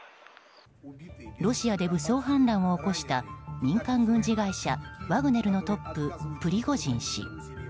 ロシアで武装反乱を起こした民間軍事会社ワグネルのトッププリゴジン氏。